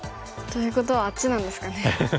ということはあっちなんですかね。